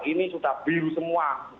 ini sudah biru semua